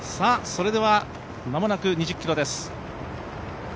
それでは間もなく２０ｋｍです。